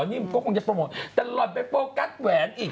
นิ่มก็คงจะโปรโมทแต่หล่อนไปโฟกัสแหวนอีก